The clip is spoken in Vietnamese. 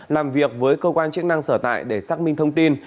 làm việc với cơ quan chức năng sở tại để xác minh thông tin